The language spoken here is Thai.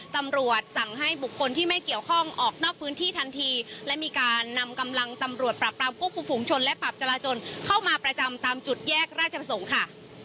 ตำรวจสั่งให้บุคคลที่ไม่เกี่ยวข้องออกนอกพื้นที่ทันทีและมีการนำกำลังตำรวจปรับปรามควบคุมฝุงชนและปรับจราจนเข้ามาประจำตามจุดแยกราชประสงค์ค่ะ